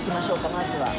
まずは。